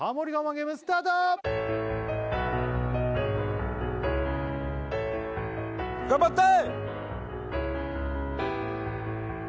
ゲームスタート頑張って！